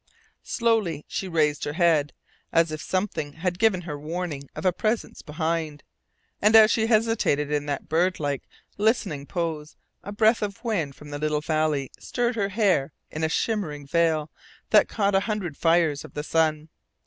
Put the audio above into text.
Slowly she raised her head, as if something had given her warning of a presence behind, and as she hesitated in that birdlike, listening poise a breath of wind from the little valley stirred her hair in a shimmering veil that caught a hundred fires of the sun.